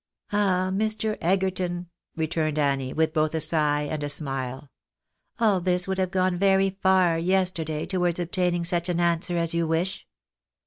" Ah, Mr. Egerton," returned Annie, with both a sigh and a Bmile, " all this would have gone very far yesterday towards ob taining such an answer as you wish.